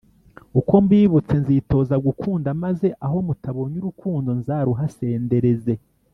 uko mbibutse nzitoza gukunda maze aho mutabonye urukundo nzaruhasendereze!